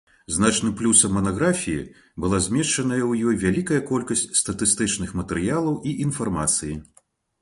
Значным плюсам манаграфіі была змешчаная ў ёй вялікая колькасць статыстычных матэрыялаў і інфармацыі.